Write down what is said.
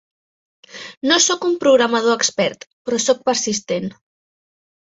No soc un programador expert, però soc persistent.